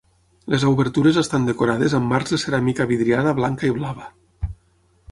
Les obertures estan decorades amb marcs de ceràmica vidriada blanca i blava.